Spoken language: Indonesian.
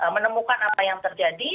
menemukan apa yang terjadi